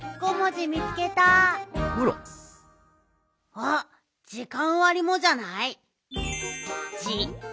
あっじかんわりもじゃない？